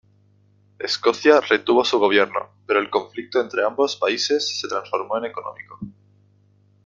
Escocia retuvo su gobierno, pero el conflicto entre ambos países se transformó en económico.